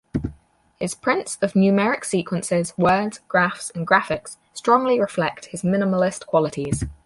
His prints of numeric sequences, words, graphs, and graphics strongly reflect his minimalist qualities.